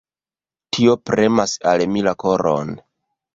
Tio premas al mi la koron.